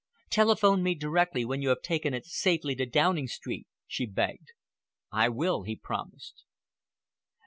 "Telephone me directly you have taken it safely to Downing Street," she begged. "I will," he promised.